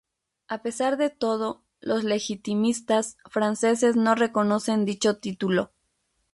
A pesar de todo, los legitimistas franceses no reconocen dicho título.